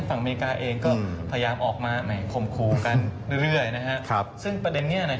ถูกต้องครับใช่ครับแล้วในเรื่องของตลาดท้าพิเศษ